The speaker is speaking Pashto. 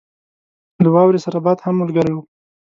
له واورې سره باد هم ملګری وو.